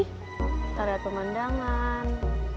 kita liat pemandangan